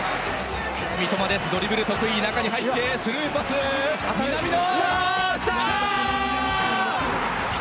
三笘です、ドリブル得意、中に入ってスルーパス、南野。